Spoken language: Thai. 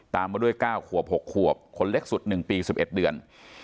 มาด้วย๙ขวบ๖ขวบคนเล็กสุด๑ปี๑๑เดือน